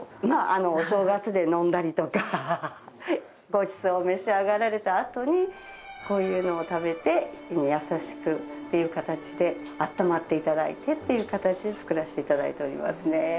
まあお正月で飲んだりとかごちそうを召し上がられたあとにこういうのを食べて胃に優しくっていう形であったまっていただいてっていう形で作らせていただいておりますね。